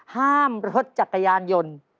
ห้ามรถจักรยานยนต์